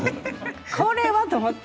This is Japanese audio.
これはと思って。